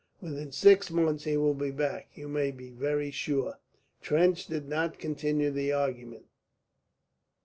Within six months he will be back, you may be very sure." Trench did not continue the argument.